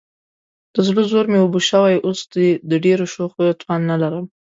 د زړه زور مې اوبه شوی، اوس دې د ډېرو شوخیو توان نه لرم.